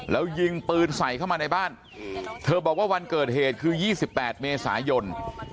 แล้วยิงปืนใส่เข้ามาในบ้านเธอบอกว่าวันเกิดเหตุคือ๒๘เมษายน